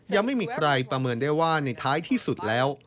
ยังไม่มีใครประเมินได้ว่าในท้ายที่สุดแล้ว